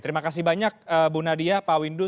terima kasih banyak bu nadia pak windu